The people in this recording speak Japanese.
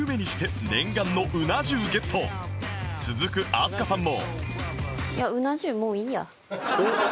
続く飛鳥さんも